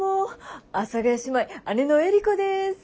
阿佐ヶ谷姉妹姉のエリコです。